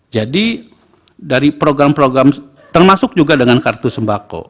jadi dari program program termasuk juga dengan kartu sembako